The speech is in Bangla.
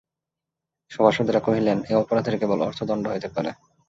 সভাসদেরা কহিলেন, এ অপরাধের কেবল অর্থদণ্ড হইতে পারে।